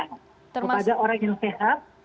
kepada orang yang sehat